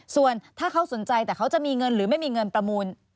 ส่วนถ้าเขาสนใจแต่เขาจะมีเงินหรือไม่มีเงินประมูล